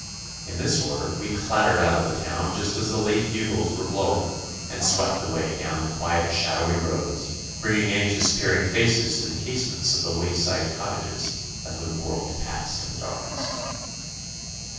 In this order we clattered out of the town just as the late bugles were blowing, and swept away down the quiet shadowy roads, bringing anxious peering faces to the casements of the wayside cottages as we whirled past in the darkness.